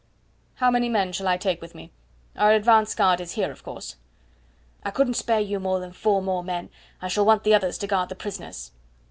"How many men shall I take with me? Our advance guard is here, of course." "I couldn't spare you more than four more men I shall want the others to guard the prisoners."